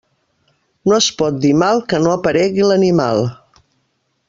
No es pot dir mal que no aparegui l'animal.